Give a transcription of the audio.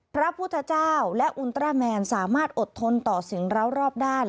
พระพุทธเจ้าและอุณตราแมนสามารถอดทนต่อสิ่งร้าวรอบด้าน